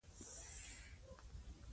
دوی به د خدای مرغان وګوري.